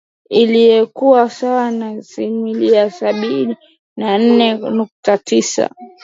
Ilkikuwa sawa na asilimia Sabini na nne nukta tisa